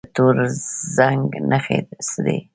د تور زنګ نښې څه دي؟